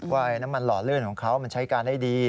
ว่าน้ำมันหล่อลื่นของเขามันใช้การได้ดี